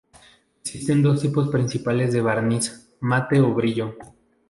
Existen dos tipos principales de barniz: mate o brillo.